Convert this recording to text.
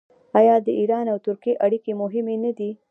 آیا د ایران او ترکیې اړیکې مهمې نه دي؟